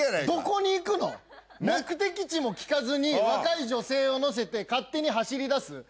どこに行くの⁉目的地も聞かずに若い女性を乗せて勝手に走りだす